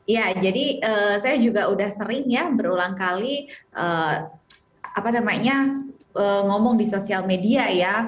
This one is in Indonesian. ya jadi saya juga udah sering ya berulang kali ngomong di sosial media ya